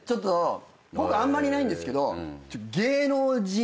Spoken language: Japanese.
僕あんまりないんですけど芸能人。